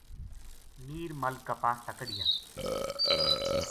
میر ملک کا پا س تا کڈھیا